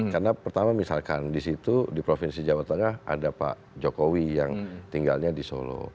karena pertama misalkan di situ di provinsi jawa tengah ada pak jokowi yang tinggalnya di solo